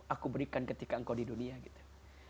aku berikan ketika engkau di dunia gitu